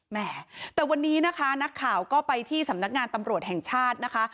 แหมแต่วันนี้นะคะนักข่าวก็ไปที่สำนักงานตำรวจแห่งชาตินะคะ